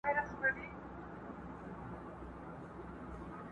واړه او لوی ښارونه،